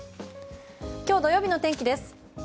今日土曜日の天気です。